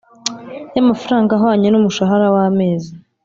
Y amafaranga ahwanye n umushahara w amezi